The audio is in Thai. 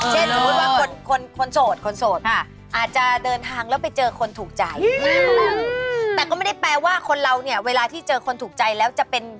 สมมุติว่าคนคนโสดคนโสดอาจจะเดินทางแล้วไปเจอคนถูกใจแต่ก็ไม่ได้แปลว่าคนเราเนี่ยเวลาที่เจอคนถูกใจแล้วจะเป็น